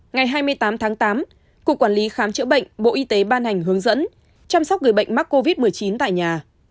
ngày hai mươi tám tháng tám cục quản lý khám chữa bệnh bộ y tế ban hành hướng dẫn chăm sóc người bệnh mắc covid một mươi chín tại nhà